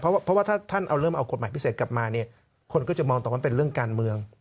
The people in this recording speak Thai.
เพราะว่าถ้าท่านเอาเริ่มเอากฎหมายพิเศษกลับมาคนก็จะมองตรงนั้นเป็นเรื่องการเมือง